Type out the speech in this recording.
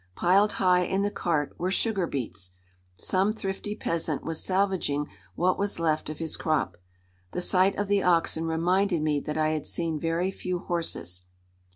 Piled high in the cart were sugar beets. Some thrifty peasant was salvaging what was left of his crop. The sight of the oxen reminded me that I had seen very few horses.